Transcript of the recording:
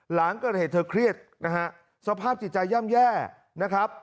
หลังเกิดเหตุเธอเครียดนะฮะสภาพจิตใจย่ำแย่นะครับ